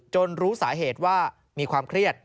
รู้สาเหตุว่ามีความเครียด